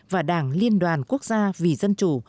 và đảng liên đoàn quốc gia vì dân chủ